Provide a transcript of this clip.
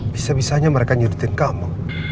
bisa bisanya mereka nyurutin kamu